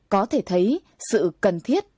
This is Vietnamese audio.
có thể thấy sự cần thiết